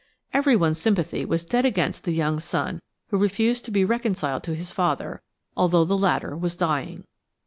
Everyone's sympathy was dead against the young son who refused to be reconciled to his father, although the latter was dying.